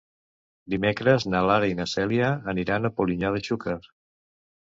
Dimecres na Lara i na Cèlia aniran a Polinyà de Xúquer.